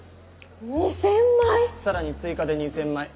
２０００枚⁉さらに追加で２０００枚。